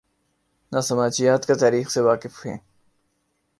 نہ سماجیات کا" تاریخ سے واقف ہیں۔